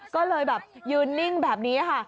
ก็เลยแบบยืนนิ่งแบบนี้ค่ะ